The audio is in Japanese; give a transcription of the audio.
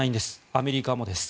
アメリカもです。